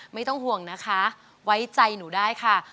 ไม่ต้องห่วงนะคะไว้ใจหนูได้ค่ะ